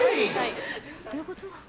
どういうこと？